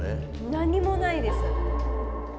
何もないです。